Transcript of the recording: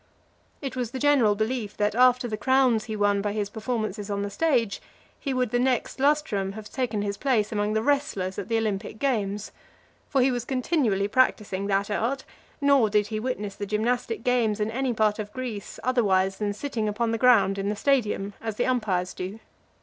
It was the general belief, that, after the crowns he won by his performances on the stage, he would the next lustrum have taken his place among the wrestlers at the Olympic games. For he was continually practising that art; nor did he witness the gymnastic games in any part of Greece otherwise than sitting upon the ground in the stadium, as the umpires do.